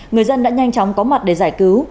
người dân đã nhanh chóng có mặt để giải cứu